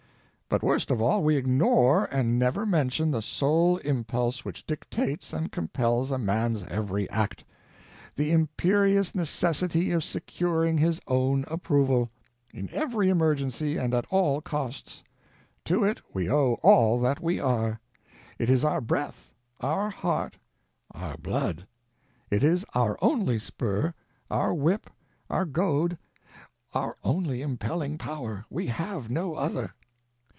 But worst of all, we ignore and never mention the Sole Impulse which dictates and compels a man's every act: the imperious necessity of securing his own approval, in every emergency and at all costs. To it we owe all that we are. It is our breath, our heart, our blood. It is our only spur, our whip, our goad, our only impelling power; we have no other.